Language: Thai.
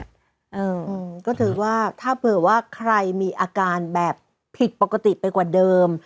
อืมก็ถือว่าถ้าเผื่อว่าใครมีอาการแบบผิดปกติไปกว่าเดิม